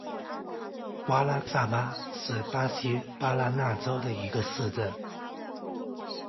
瓜拉克萨巴是巴西巴拉那州的一个市镇。